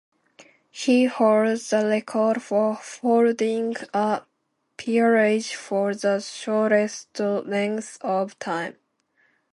He holds the record for holding a peerage for the shortest length of time.